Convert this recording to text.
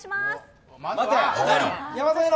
山添の。